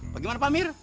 bagaimana pak amir